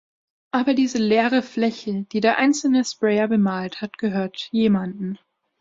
Aber diese leere Fläche, die der einzelne Sprayer bemalt hat, gehört jemandem.